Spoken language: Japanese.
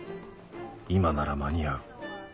今なら間に合う